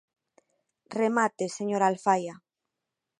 Remate, señora Alfaia.